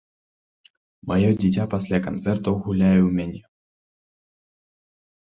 Маё дзіця пасля канцэртаў гуляе ў мяне.